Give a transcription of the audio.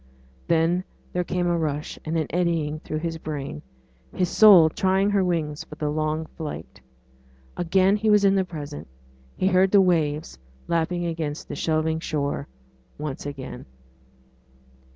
Then there came a rush and an eddying through his brain his soul trying her wings for the long flight. Again he was in the present: he heard the waves lapping against the shelving shore once again.